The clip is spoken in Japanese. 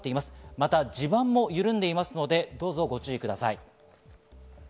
また地盤も緩んでいますので、どうぞご注意ください。